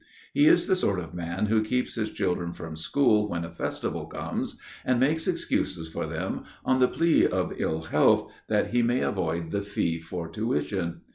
He is the sort of man who keeps his children from school when a festival comes, and makes excuses for them on the plea of ill health, that he may avoid the fee for tuition.